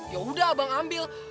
ya udah abang ambil